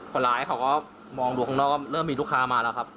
คนร้ายเขาก็มองดูข้างนอกก็เริ่มมีลูกค้ามาแล้วครับ